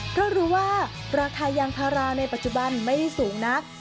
เพราะรู้ว่าราคายางพาราในปัจจุบันไม่ได้สูงนัก